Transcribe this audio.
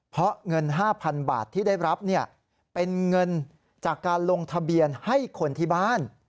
เพราะเงิน๕๐๐๐บาทที่ได้รับเป็นเงินจากการลงทะเบียนให้คนที่บ้าน